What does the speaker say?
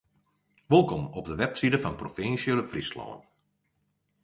Wolkom op de webside fan de provinsje Fryslân.